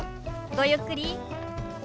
ごゆっくり。